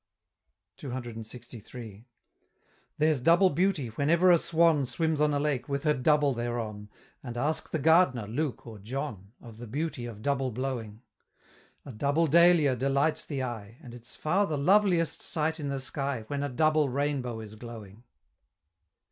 CCLXIII. There's double beauty whenever a Swan Swims on a Lake, with her double thereon; And ask the gardener, Luke or John, Of the beauty of double blowing A double dahlia delights the eye; And it's far the loveliest sight in the sky When a double rainbow is glowing!